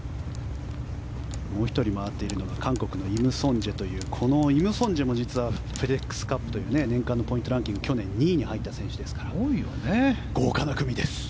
もう１人回っているのがイム・ソンジェというこのイム・ソンジェも実はフェデックスカップという年間のポイントランキングで去年２位に入った選手ですから豪華な組です。